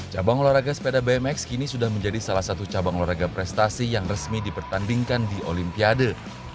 cabang olahraga sepeda bmx kini sudah menjadi salah satu cabang olahraga prestasi yang resmi dipertandingkan di olimpiade